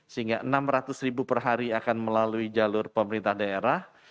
sehingga enam ratus ribu per hari akan melalui jalur pemerintah daerah